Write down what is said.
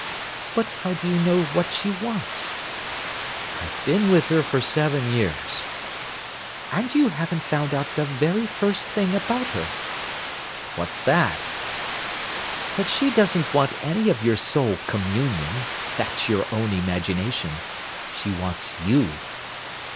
"But how do you know what she wants?" "I've been with her for seven years." "And you haven't found out the very first thing about her." "What's that?" "That she doesn't want any of your soul communion. That's your own imagination. She wants you."